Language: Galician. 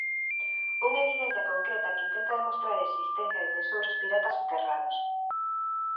Unha evidencia concreta que intenta demostrar a existencia de tesouros piratas soterrados.